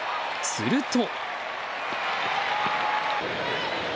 すると。